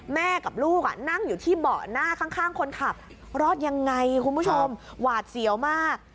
แม่กับลูกนั่งอยู่ที่เบาะหน้าข้างคนขับรอดยังไงคุณผู้ชมหวาดเสียวมาก